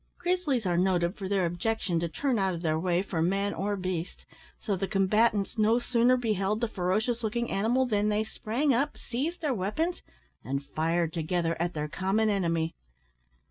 Grizzlies are noted for their objection to turn out of their way for man or beast, so the combatants no sooner beheld the ferocious looking animal than they sprang up, seized their weapons, and fired together at their common enemy.